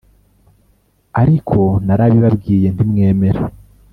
ariko narabibabwiye ntimwemera